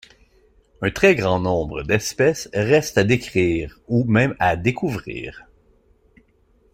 Un très grand nombre d'espèces restent à décrire ou même à découvrir.